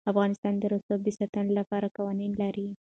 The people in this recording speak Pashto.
افغانستان د رسوب د ساتنې لپاره قوانین لري.